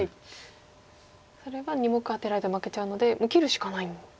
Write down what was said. それは２目アテられて負けちゃうのでもう切るしかないんですか。